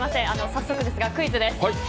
早速ですがクイズです。